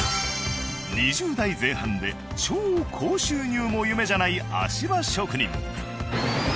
２０代前半で超高収入も夢じゃない足場職人。